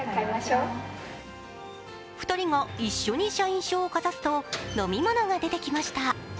２人が一緒に社員証をかざすと飲み物が出てきました。